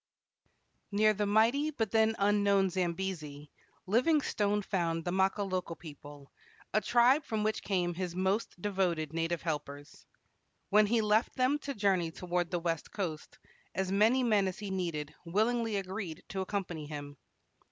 Near the mighty but then unknown Zambesi, Livingstone found the Makololo people, a tribe from which came his most devoted native helpers. When he left them to journey toward the west coast, as many men as he needed willingly agreed to accompany him.